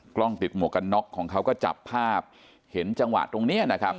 กล้องติดหมวกกันน็อกของเขาก็จับภาพเห็นจังหวะตรงเนี้ยนะครับ